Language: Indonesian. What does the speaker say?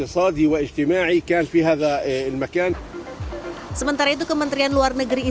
semantar icri karine